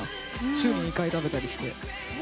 週に２回頼んだりして。